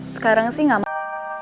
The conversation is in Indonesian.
sekarang sih gak